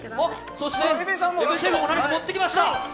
そして、江部シェフも何か持ってきました。